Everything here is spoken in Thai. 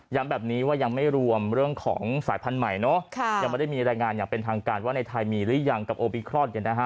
แบบนี้ว่ายังไม่รวมเรื่องของสายพันธุ์ใหม่เนอะยังไม่ได้มีรายงานอย่างเป็นทางการว่าในไทยมีหรือยังกับโอมิครอน